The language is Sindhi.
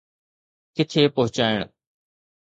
ڪٿي پهچائڻ.